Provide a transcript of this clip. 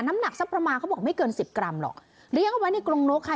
น้ำหนักสักประมาณเขาบอกไม่เกินสิบกรัมหรอกเลี้ยงเอาไว้ในกรงนกค่ะ